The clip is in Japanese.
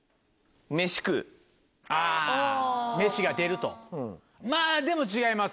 あ飯が出るとまぁでも違います。